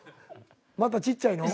またちっちゃいの？